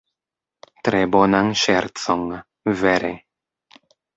Tre bonan ŝercon, vere.